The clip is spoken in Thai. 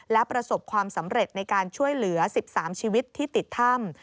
และประสบความสำเร็จในการช่วยเหลือ๑๓ชีวิตที่ติดถ้ำ